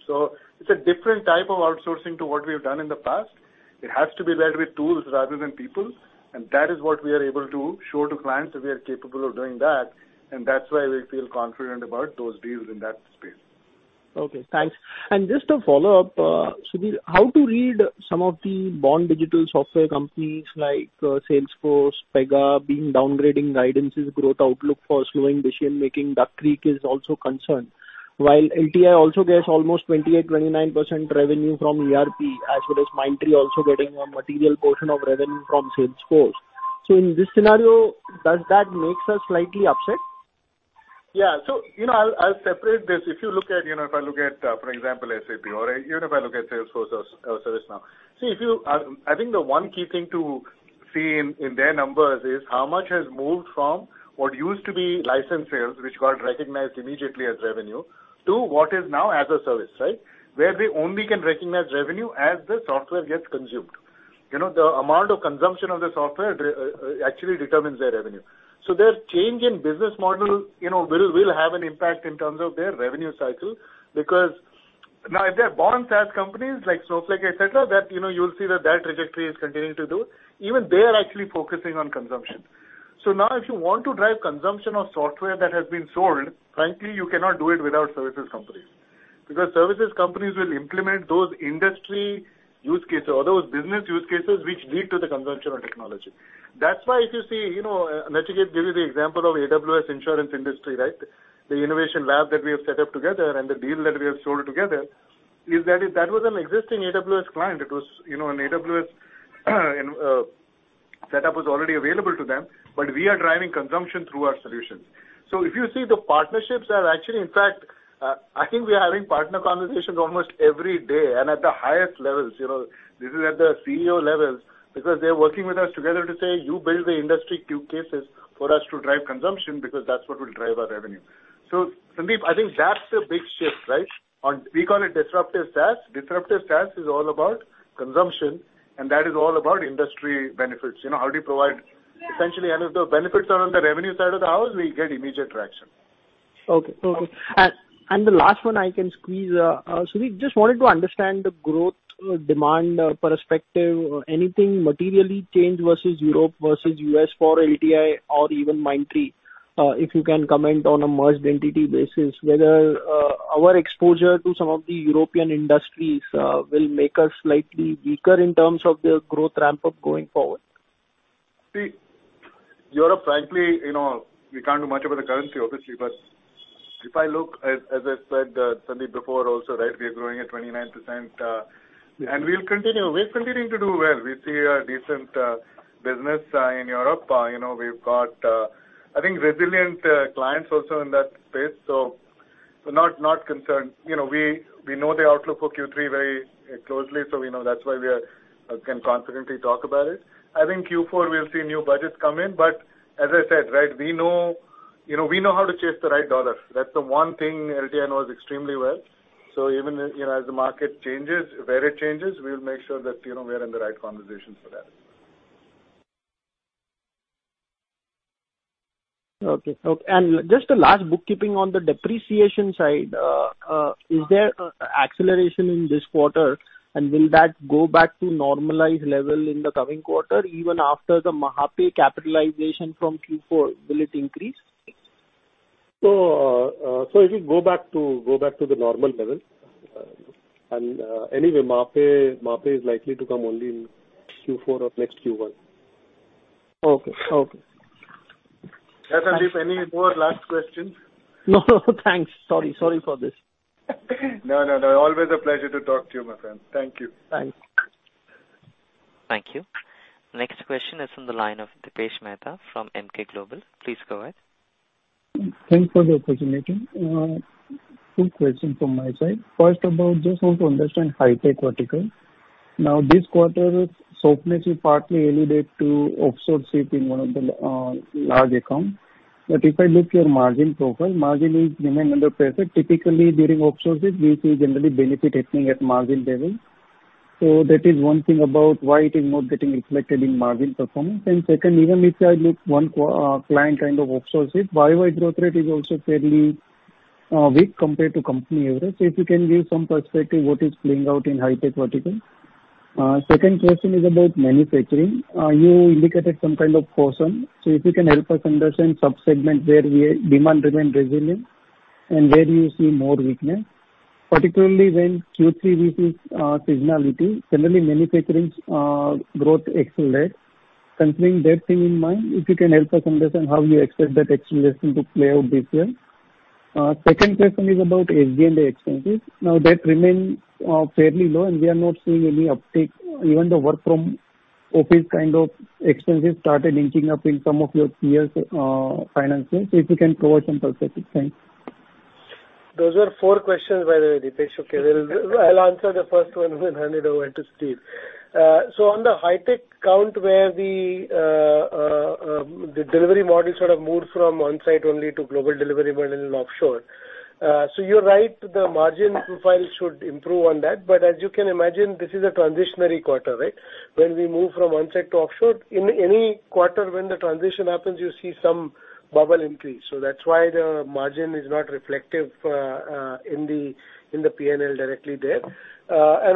It's a different type of outsourcing to what we have done in the past. It has to be led with tools rather than people, and that is what we are able to show to clients that we are capable of doing that. That's why we feel confident about those deals in that space. Okay, thanks. Just a follow-up, Sudhir, how to read some of the born-digital software companies like Salesforce, Pega being downgrading guidances growth outlook for slowing macroeconomic. Duck Creek is also concerned. While LTI also gets almost 28%-29% revenue from ERP, as well as Mindtree also getting a material portion of revenue from Salesforce. In this scenario, does that makes us slightly upset? Yeah. You know, I'll separate this. If you look at, you know, if I look at, for example, SAP or even if I look at Salesforce or ServiceNow. See, I think the one key thing to see in their numbers is how much has moved from what used to be license sales, which got recognized immediately as revenue, to what is now as a service, right? Where they only can recognize revenue as the software gets consumed. You know, the amount of consumption of the software actually determines their revenue. Their change in business model, you know, will have an impact in terms of their revenue cycle. Because now if they're born SaaS companies like Snowflake, et cetera, that, you know, you'll see that trajectory is continuing to do. Even they are actually focusing on consumption. Now if you want to drive consumption of software that has been sold, frankly, you cannot do it without services companies. Because services companies will implement those industry use cases or those business use cases which lead to the consumption of technology. That's why if you see, you know, Nachiket gave you the example of AWS insurance industry, right? The innovation lab that we have set up together and the deal that we have sold together is that if that was an existing AWS client, it was, you know, an AWS setup was already available to them, but we are driving consumption through our solutions. If you see the partnerships are actually in fact, I think we are having partner conversations almost every day and at the highest levels, you know. This is at the CEO levels. Because they're working with us together to say, "You build the industry use cases for us to drive consumption because that's what will drive our revenue." Sandeep, I think that's the big shift, right? We call it disruptive SaaS. Disruptive SaaS is all about consumption, and that is all about industry benefits. You know, how do you provide essentially, and if the benefits are on the revenue side of the house, we get immediate traction. The last one I can squeeze, Sudhir, just wanted to understand the growth demand perspective. Anything materially changed versus Europe versus U.S. for LTI or even Mindtree? If you can comment on a merged entity basis, whether our exposure to some of the European industries will make us slightly weaker in terms of the growth ramp up going forward. See, Europe, frankly, you know, we can't do much about the currency obviously. If I look, as I said, Sandeep, before also, right, we are growing at 29%, and we'll continue. We're continuing to do well. We see a decent business in Europe. You know, we've got, I think, resilient clients also in that space. So not concerned. You know, we know the outlook for Q3 very closely, so we know that's why we can confidently talk about it. I think Q4 we'll see new budgets come in, but as I said, right, we know. You know, we know how to chase the right dollar. That's the one thing LTI knows extremely well. Even, you know, as the market changes, where it changes, we'll make sure that, you know, we're in the right conversations for that. Okay. Just a last bookkeeping on the depreciation side, is there acceleration in this quarter and will that go back to normalized level in the coming quarter even after the Mahape capitalization from Q4, will it increase? It'll go back to the normal level. Anyway, Mahape is likely to come only in Q4 or next Q1. Okay. Yeah, Sandeep, any more last questions? No thanks. Sorry. Sorry for this. No, no. Always a pleasure to talk to you, my friend. Thank you. Thanks. Thank you. Next question is from the line of Dipesh Mehta from Emkay Global. Please go ahead. Thanks for the opportunity. Two questions from my side. First about just want to understand high-tech vertical. Now this quarter softness you partly alluded to offshoring in one of the large account. If I look your margin profile, margin remains under pressure. Typically, during offshoring we see generally benefit happening at margin level. That is one thing about why it is not getting reflected in margin performance. Second, even if I look one client kind of offshoring, YoY growth rate is also fairly weak compared to company average. If you can give some perspective what is playing out in high-tech vertical. Second question is about manufacturing. You indicated some kind of caution. If you can help us understand sub-segment where demand remained resilient and where you see more weakness, particularly when Q3 we see seasonality. Generally, manufacturing's growth accelerate. Considering that in mind, if you can help us understand how you expect that acceleration to play out this year. Second question is about SG&A expenses. Now they remain fairly low and we are not seeing any uptake. Even the work from office kind of expenses started inching up in some of your peers' financials. If you can provide some perspective. Thanks. Those were four questions, by the way, Dipesh. Okay. I'll answer the first one then hand it over to Nachiket Deshpande. On the high-tech account where the delivery model sort of moved from on-site only to global delivery model and offshore. You're right, the margin profile should improve on that. As you can imagine, this is a transitional quarter, right? When we move from on-site to offshore, in any quarter when the transition happens you see some trouble increase. That's why the margin is not reflective in the P&L directly there.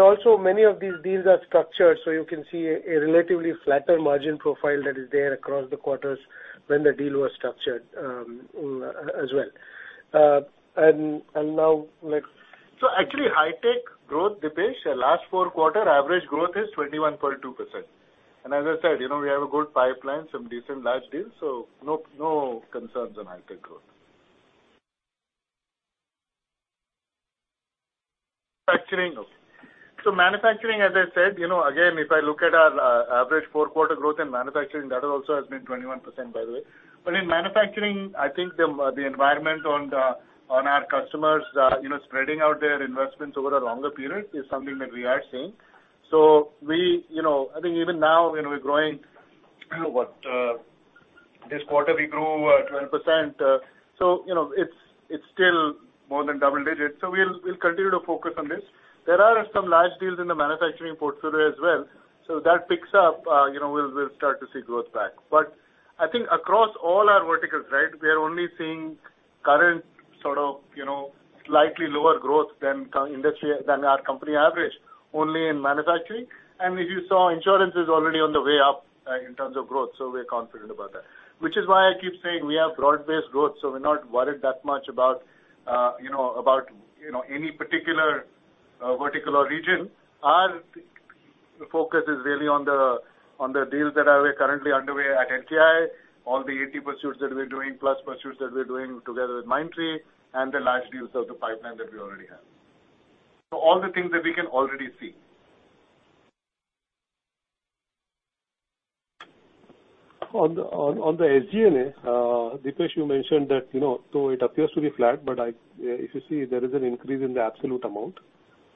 Also many of these deals are structured, so you can see a relatively flatter margin profile that is there across the quarters when the deal was structured, as well. Actually high-tech growth, Dipesh, last four-quarter average growth is 21.2%. As I said, you know, we have a good pipeline, some decent large deals, so no concerns on high-tech growth. Manufacturing. Manufacturing, as I said, you know, again, if I look at our average four-quarter growth in manufacturing, that also has been 21% by the way. In manufacturing, I think the environment on our customers, you know, spreading out their investments over a longer period is something that we are seeing. We, you know, I think even now, you know, we're growing, you know, this quarter we grew 12%. You know, it's still more than double digits. We'll continue to focus on this. There are some large deals in the manufacturing portfolio as well. That picks up, you know, we'll start to see growth back. I think across all our verticals, right, we are only seeing current sort of, you know, slightly lower growth than our company average only in manufacturing. If you saw, insurance is already on the way up, in terms of growth, so we're confident about that. Which is why I keep saying we have broad-based growth, so we're not worried that much about, you know, any particular, vertical or region. Our focus is really on the deals that are currently underway at LTI, all the AT pursuits that we're doing, plus pursuits that we're doing together with Mindtree and the large deals of the pipeline that we already have. All the things that we can already see. On the SG&A, Dipesh, you mentioned that, you know, so it appears to be flat, but if you see there is an increase in the absolute amount,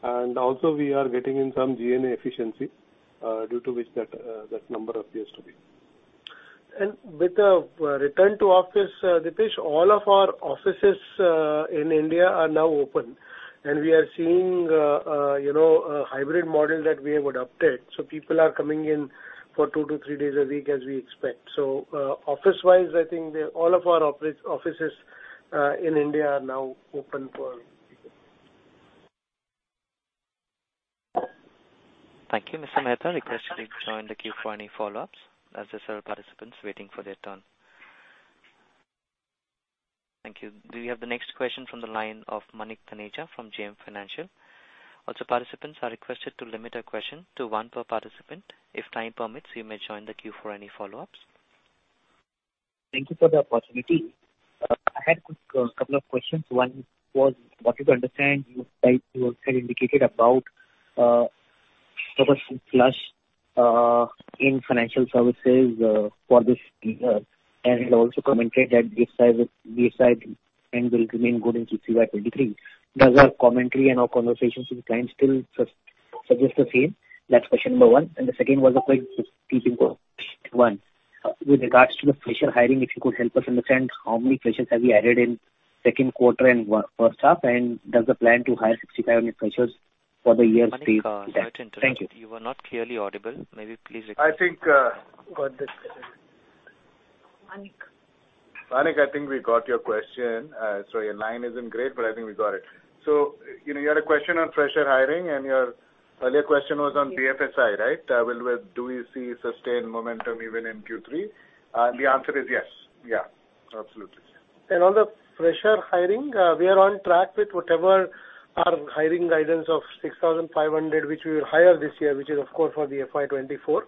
and also we are getting in some G&A efficiency, due to which that number appears to be. With the return to office, Dipesh, all of our offices in India are now open. We are seeing, you know, a hybrid model that we have adopted. People are coming in for two to three days a week as we expect. Office-wise, I think all of our offices in India are now open for. Thank you, Mr. Mehta. Request to join the queue for any follow-ups as there are several participants waiting for their turn. Thank you. We have the next question from the line of Manik Taneja from JM Financial. Also, participants are requested to limit a question to one per participant. If time permits, you may join the queue for any follow-ups. Thank you for the opportunity. I had quick couple of questions. One was what you understand like you also indicated about flush in financial services for this year, and you also commented that BFSI will remain good in FY 2023. Does our commentary and our conversations with clients still suggest the same? That's question number one. The second was a quick one. With regards to the fresher hiring, if you could help us understand how many freshers have you added in second quarter and first half, and does the plan to hire 6,500 freshers for the year stay the same? Thank you. Manik, sorry to interrupt. You were not clearly audible. Maybe please repeat. I think, got this. Manik. Manik, I think we got your question. Sorry, your line isn't great, but I think we got it. You know, you had a question on fresher hiring and your earlier question was on BFSI, right? Do we see sustained momentum even in Q3? The answer is yes. Yeah, absolutely. On the fresher hiring, we are on track with whatever our hiring guidance of 6,500, which we will hire this year, which is of course for the FY 2024.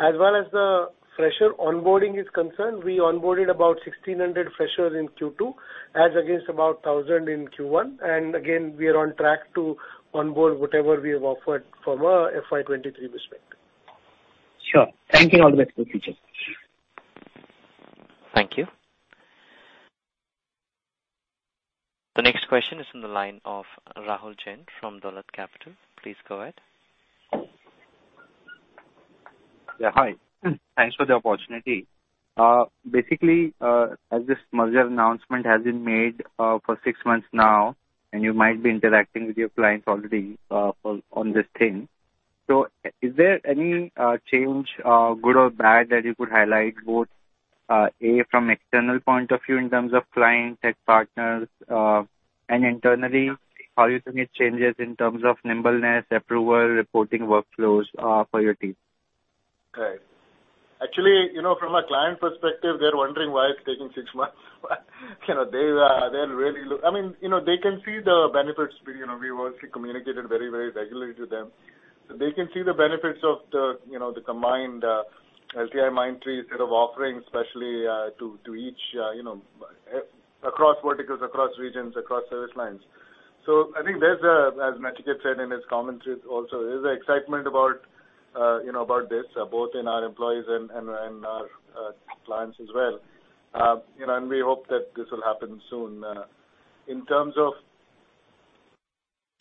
As far as the fresher onboarding is concerned, we onboarded about 1,600 freshers in Q2 as against about 1,000 in Q1. We are on track to onboard whatever we have offered from a FY 2023 perspective. Sure. Thank you. All the best for the future. Thank you. The next question is from the line of Rahul Jain from Dolat Capital. Please go ahead. Yeah. Hi. Thanks for the opportunity. Basically, as this merger announcement has been made for six months now, and you might be interacting with your clients already on this thing. So is there any change, good or bad, that you could highlight, both A, from external point of view in terms of clients and partners, and internally, how you think it changes in terms of nimbleness, approval, reporting workflows for your team? Right. Actually, you know, from a client perspective, they're wondering why it's taking six months. You know, they I mean, you know, they can see the benefits. We, you know, we've also communicated very, very regularly to them. They can see the benefits of the, you know, the combined LTI, Mindtree set of offerings, especially to each, you know, across verticals, across regions, across service lines. I think there's a, as Nachiket said in his comments also, there's excitement about, you know, about this both in our employees and our clients as well. You know, we hope that this will happen soon. In terms of.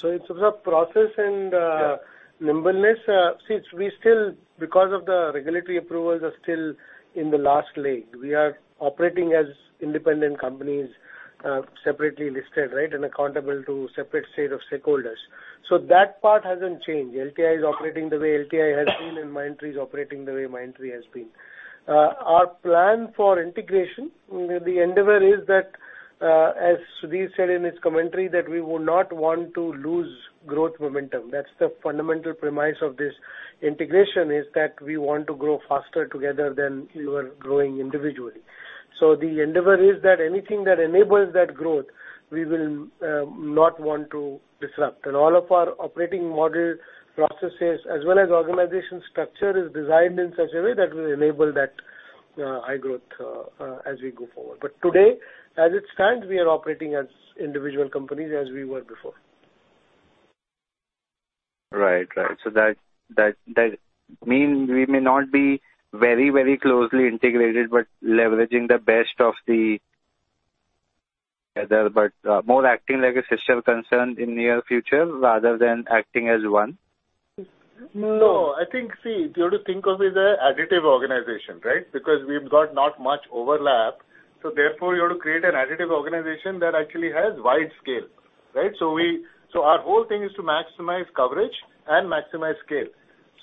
In terms of process and. Yeah. nimbleness, since we still, because of the regulatory approvals are still in the last leg, we are operating as independent companies, separately listed, right, and accountable to separate set of stakeholders. That part hasn't changed. LTI is operating the way LTI has been, and Mindtree is operating the way Mindtree has been. Our plan for integration, the endeavor is that, as Sudhir said in his commentary, that we would not want to lose growth momentum. That's the fundamental premise of this integration is that we want to grow faster together than we were growing individually. The endeavor is that anything that enables that growth, we will not want to disrupt. And all of our operating model processes as well as organization structure is designed in such a way that will enable that, high growth, as we go forward. today, as it stands, we are operating as individual companies as we were before. Right. That means we may not be very closely integrated, but leveraging the best of the other, but more acting like a sister concern in near future rather than acting as one. No. No. I think, see, you have to think of it as an additive organization, right? Because we've got not much overlap, so therefore you have to create an additive organization that actually has wide scale, right? Our whole thing is to maximize coverage and maximize scale.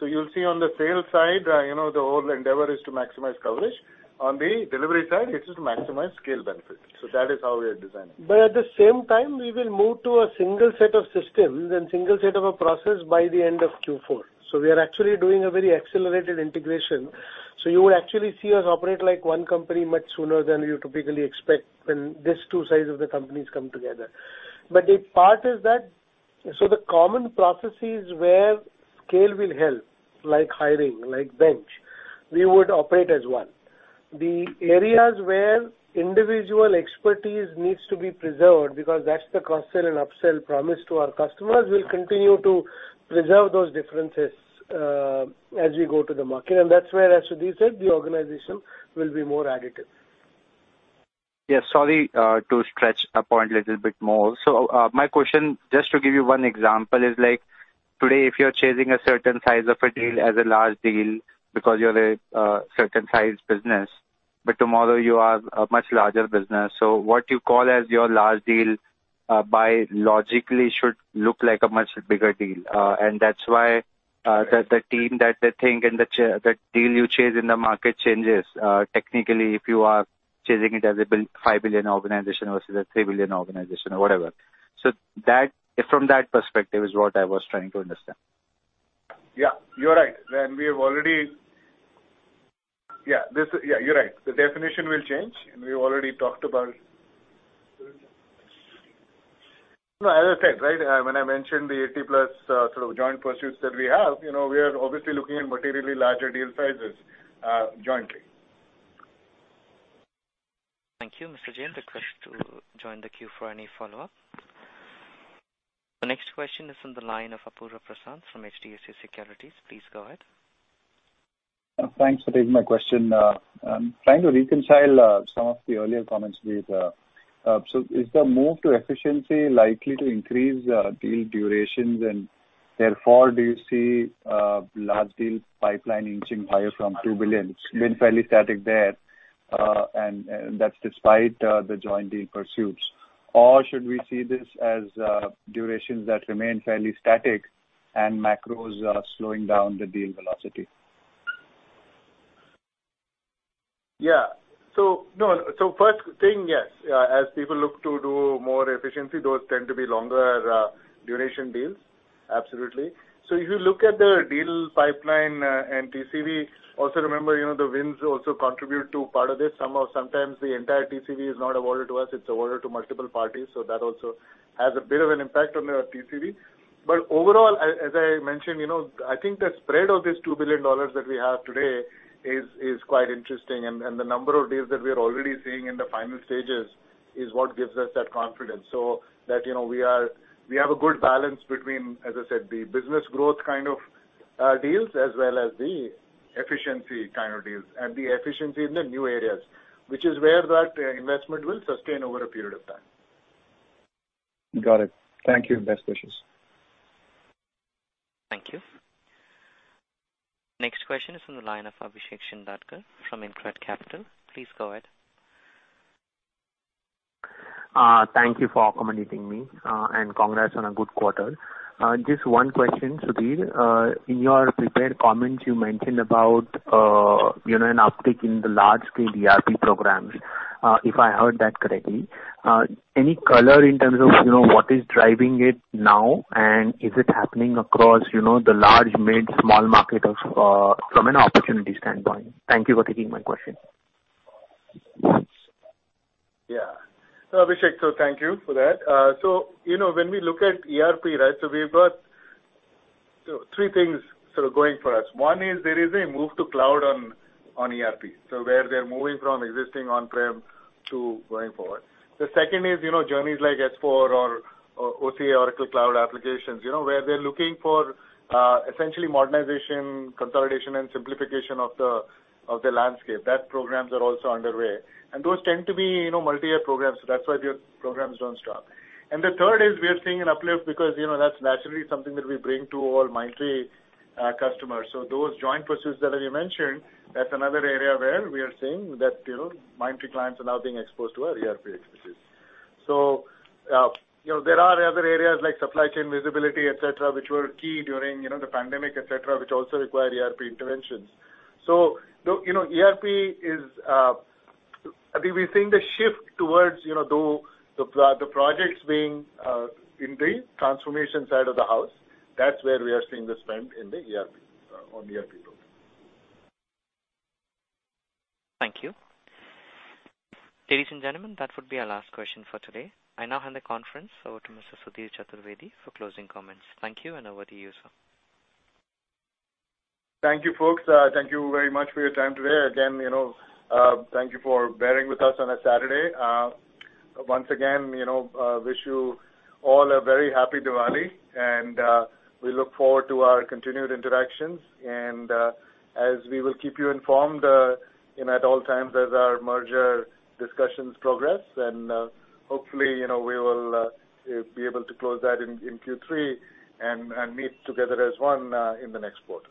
You'll see on the sales side, you know, the whole endeavor is to maximize coverage. On the delivery side, it is to maximize scale benefit. That is how we are designing. At the same time we will move to a single set of systems and single set of a process by the end of Q4. We are actually doing a very accelerated integration. You would actually see us operate like one company much sooner than you typically expect when these two sides of the companies come together. A part is that, so the common processes where scale will help, like hiring, like bench, we would operate as one. The areas where individual expertise needs to be preserved, because that's the cross-sell and up-sell promise to our customers, we'll continue to preserve those differences, as we go to the market. That's where, as Sudhir said, the organization will be more additive. To stretch a point a little bit more. My question, just to give you one example, is like today if you're chasing a certain size of a deal as a large deal because you're a certain size business, but tomorrow you are a much larger business. What you call as your large deal by logic, it should look like a much bigger deal. That's why the thinking and the deal you chase in the market changes. Technically if you are chasing it as a $5 billion organization versus a $3 billion organization or whatever. From that perspective is what I was trying to understand. Yeah, you're right. The definition will change, and we already talked about, as I said, right, when I mentioned the 80+ sort of joint pursuits that we have, you know, we are obviously looking at materially larger deal sizes, jointly. Thank you, Mr. Jain. Request to join the queue for any follow-up. The next question is on the line of Apurva Prasad from HDFC Securities. Please go ahead. Thanks for taking my question. I'm trying to reconcile some of the earlier comments with so is the move to efficiency likely to increase deal durations? Therefore, do you see large deals pipeline inching higher from 2 billion? It's been fairly static there, and that's despite the joint deal pursuits. Should we see this as durations that remain fairly static and macros slowing down the deal velocity? First thing, yes, as people look to do more efficiency, those tend to be longer duration deals. Absolutely. If you look at the deal pipeline and TCV, also remember, you know, the wins also contribute to part of this. Sometimes the entire TCV is not awarded to us, it's awarded to multiple parties, so that also has a bit of an impact on the TCV. Overall, as I mentioned, you know, I think the spread of this $2 billion that we have today is quite interesting. The number of deals that we are already seeing in the final stages is what gives us that confidence. So that, you know, we have a good balance between, as I said, the business growth kind of deals as well as the efficiency kind of deals and the efficiency in the new areas, which is where that investment will sustain over a period of time. Got it. Thank you. Best wishes. Thank you. Next question is from the line of Abhishek Shindadkar from InCred Capital. Please go ahead. Thank you for accommodating me, and congrats on a good quarter. Just one question, Sudhir. In your prepared comments you mentioned about, you know, an uptick in the large scale ERP programs, if I heard that correctly. Any color in terms of, you know, what is driving it now, and is it happening across, you know, the large, mid, small market of, from an opportunity standpoint? Thank you for taking my question. Yeah. Abhishek, thank you for that. You know when we look at ERP, right? We've got three things sort of going for us. One is there is a move to cloud on ERP. Where they're moving from existing on-prem to going forward. The second is, you know, journeys like S/4 or OC, Oracle Cloud applications. You know, where they're looking for, essentially modernization, consolidation and simplification of the landscape. Those programs are also underway. Those tend to be, you know, multi-year programs. That's why the programs don't stop. The third is we are seeing an uplift because, you know, that's naturally something that we bring to all Mindtree customers. Those joint pursuits that you mentioned, that's another area where we are seeing that, you know, Mindtree clients are now being exposed to our ERP expertise. You know, there are other areas like supply chain visibility, et cetera, which were key during, you know, the pandemic, et cetera, which also require ERP interventions. You know, ERP is, I think we're seeing the shift towards, you know, the projects being in the transformation side of the house. That's where we are seeing the spend in the ERP, on ERP roadmap. Thank you. Ladies and gentlemen, that would be our last question for today. I now hand the conference over to Mr. Sudhir Chaturvedi for closing comments. Thank you, and over to you, sir. Thank you, folks. Thank you very much for your time today. Again, you know, thank you for bearing with us on a Saturday. Once again, you know, wish you all a very happy Diwali, and we look forward to our continued interactions and, as we will keep you informed, you know, at all times as our merger discussions progress. Hopefully, you know, we will be able to close that in Q3 and meet together as one in the next quarter.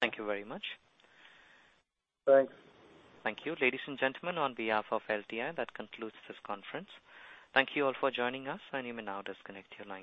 Thank you very much. Thanks. Thank you. Ladies and gentlemen, on behalf of LTI, that concludes this conference. Thank you all for joining us, and you may now disconnect your lines.